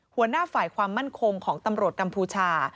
หัวหน้าฝ่ายความมั่นคงของตำรวจกัมพูชา